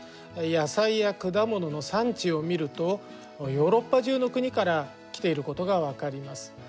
野菜や果物の産地を見るとヨーロッパ中の国から来ていることが分かります。